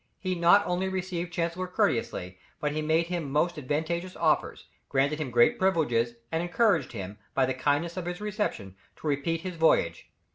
He not only received Chancellor courteously, but he made him most advantageous offers, granted him great privileges and encouraged him, by the kindness of his reception, to repeat his voyage.